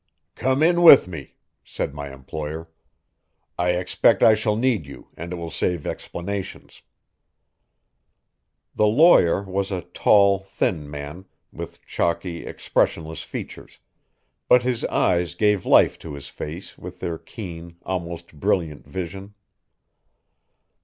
"Come in with me," said my employer. "I expect I shall need you, and it will save explanations." The lawyer was a tall, thin man, with chalky, expressionless features, but his eyes gave life to his face with their keen, almost brilliant, vision.